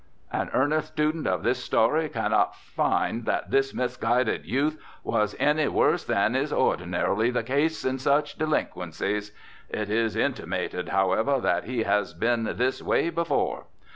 An earnest student of this story cannot find that this misguided youth was any worse than is ordinarily the case in such delinquencies. It is intimated, however, that he has been this way before.